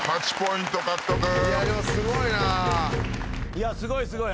いやすごいすごい。